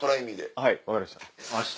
はい分かりました。